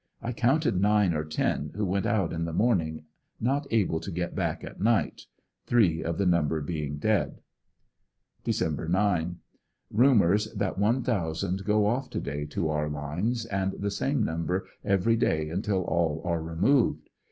I counted nine or ten who went out in the morning not able to get back at night ; three of the number being dead. Dec 9, — Rumors that one thousand go off to day to our lines and the same number every day until all are removed.